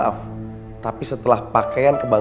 saya bawa ini deh pak cik kong